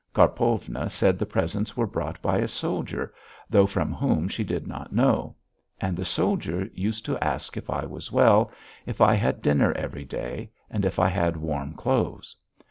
Karpovna said the presents were brought by a soldier, though from whom she did not know; and the soldier used to ask if I was well, if I had dinner every day, and if I had warm clothes.